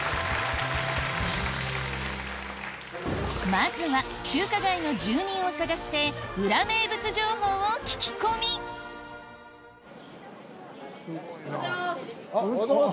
まずは中華街の住人を探して裏名物情報を聞き込みおはようございます！